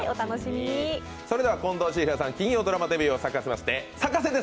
それでは近藤千尋さん、金曜ドラマデビューを果たしましてＳＡＫＡＳＥです。